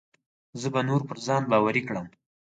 زه به نور پر ځان باوري کړم.